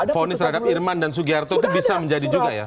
fonis terhadap irman dan sugiharto itu bisa menjadi juga ya